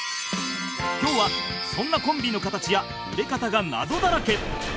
今日はそんなコンビの形や売れ方が謎だらけ